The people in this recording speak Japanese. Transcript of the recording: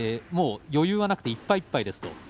余裕はなくていっぱいいっぱいですと。